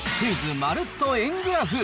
まるっと円グラフ。